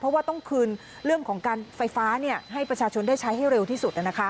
เพราะว่าต้องคืนเรื่องของการไฟฟ้าให้ประชาชนได้ใช้ให้เร็วที่สุด